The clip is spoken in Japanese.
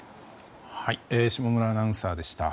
下村アナウンサーでした。